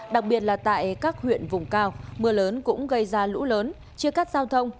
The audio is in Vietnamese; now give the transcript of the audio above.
đặc biệt là tại các huyện vùng cao mưa lớn cũng gây ra lũ lớn chia cắt giao thông